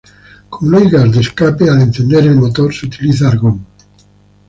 Como no hay gas de escape al encender el motor, se utiliza argón.